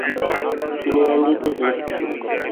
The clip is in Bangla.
তিনি এই আঙ্গিকে লিখতে শুরু করেন।